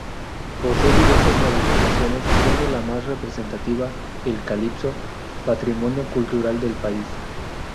Posee diversas manifestaciones, siendo la más representativa el calipso, patrimonio cultural del país.